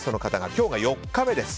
今日が４日目です。